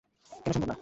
কেন সম্ভব না?